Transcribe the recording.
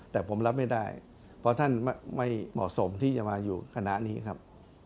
แต่ผมรับไม่ได้เพราะท่านไม่เหมาะสมที่จะมาอยู่คณะนี้ครับ